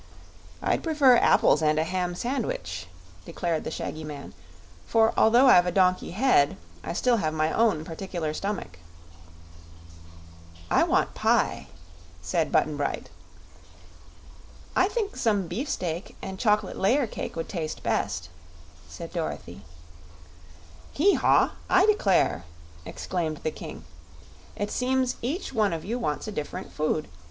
"I'd prefer apples and a ham sandwich," declared the shaggy man, "for although I've a donkey head, I still have my own particular stomach." "I want pie," said Button Bright. "I think some beefsteak and chocolate layer cake would taste best," said Dorothy. "Hee haw! I declare!" exclaimed the King. "It seems each one of you wants a different food.